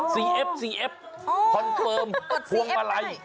สิเอสสิเอสประกอบความทรงมาลัย